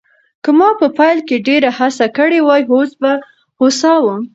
که ما په پیل کې ډېره هڅه کړې وای، اوس به هوسا وم.